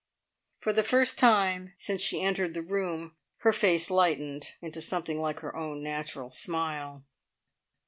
For the first time since she entered the room her face lightened into something like her own natural smile.